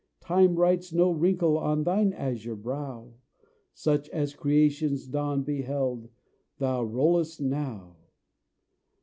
Time writes no wrinkle on thine azure brow; Such as creation's dawn beheld, thou rollest now.